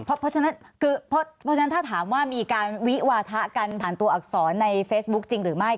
เพราะฉะนั้นถ้าถามว่ามีการวิวาธะกันผ่านตัวอักษรในเฟซบุ๊กจริงหรือไม่